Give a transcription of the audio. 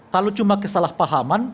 kalau cuma kesalahpahaman